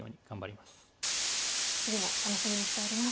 次も楽しみにしております。